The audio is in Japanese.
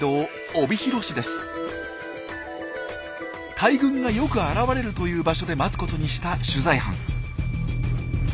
大群がよく現れるという場所で待つことにした取材班。